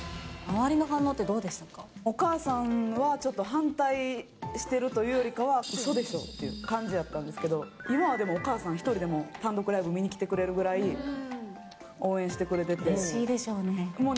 お母さんはちょっと反対してるというよりかは、うそでしょ？っていう感じやったんですけど、今はでもお母さん１人でも単独ライブ見に来てくれるぐらい応援しうれしいでしょうね。